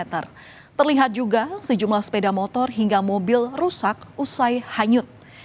terlihat juga sejumlah sepeda motor hingga mobil rusak usai hanyut